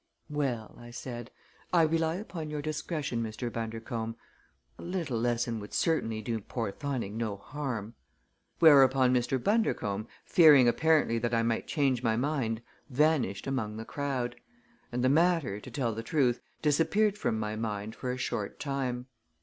"Well," I said, "I rely upon your discretion, Mr. Bundercombe. A little lesson would certainly do Porthoning no harm." Whereupon Mr. Bundercombe, fearing apparently that I might change my mind, vanished among the crowd; and the matter, to tell the truth, disappeared from my mind for a short time.